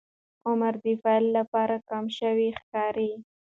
عمر د پیل لپاره کم شوی ښکاري.